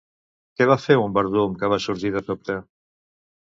Què va fer un verdum que va sorgir de sobte?